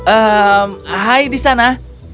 eh hai di sana